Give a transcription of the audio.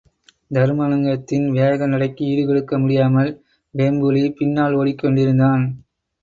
தருமலிங்கத்தின் வேக நடைக்கு ஈடுகொடுக்க முடியாமல் வேம் புலி பின்னால் ஓடிக்கொண்டிருந்தான்.